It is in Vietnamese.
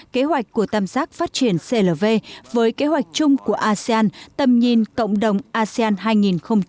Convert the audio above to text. kế hoạch của tam giác phát triển clv với kế hoạch chung của asean tầm nhìn cộng đồng asean hai nghìn hai mươi năm